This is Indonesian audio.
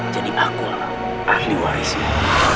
jadi aku ahli warisnya